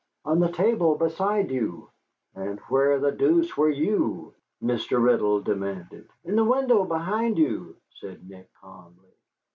"On the table beside you." "And where the deuce were you?" Mr. Riddle demanded. "In the window behind you," said Nick, calmly.